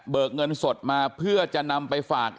เงินสดมาเพื่อจะนำไปฝาก